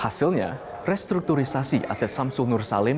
hasilnya restrukturisasi aset sampul nursalim